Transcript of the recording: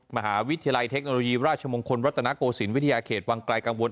มหาวิทยาลัยเทคโนโลยีราชมงคลรัตนโกศิลปวิทยาเขตวังไกลกังวล